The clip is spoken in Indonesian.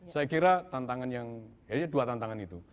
saya kira tantangan yang ya itu dua tantangan itu